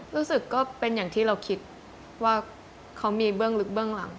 ก็เป็นอย่างที่เราคิดว่าเขามีเบื้องลึกเบื้องหลัง